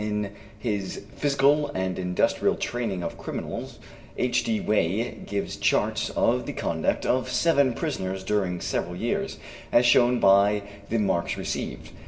In his Physical and Industrial Training of Criminals, H.D. Wey gives charts of the conduct of seven prisoners during several years, as shown by the marks received.